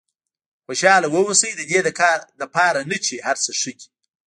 خوشاله واوسئ ددې لپاره نه چې هر څه ښه دي.